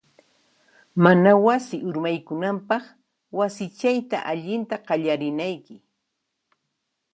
Mana wasi urmaykunanpaq, wasichayta allinta qallarinayki.